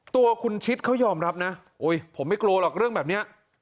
ตัวคุณชิดเขายอมรับนะผมไม่กลัวหรอกเรื่องแบบนี้